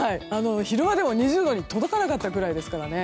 昼間でも２０度に届かなかったくらいですから。